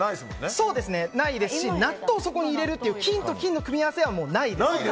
そうですね、ないですし納豆をそこに入れるっていう菌と菌の組み合わせはないです。